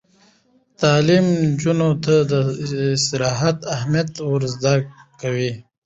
تعلیم نجونو ته د استراحت اهمیت ور زده کوي.